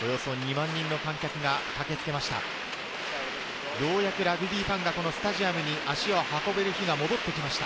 およそ２万人の観客が駆けつけました。